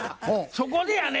そこでやね